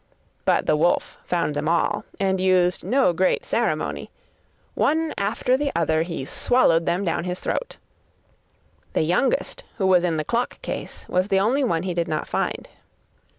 But the wolf found them all, and used no great ceremony; one after the other he swallowed them down his throat. The youngest, who was in the clock case, was the only one he did not find.